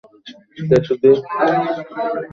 আরে, আরে, আরে!